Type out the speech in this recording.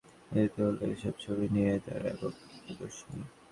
দিল্লির কণিকা আর্ট সেন্টারে আয়োজিত হলো এসব ছবি নিয়ে তাঁর একক প্রদর্শনী।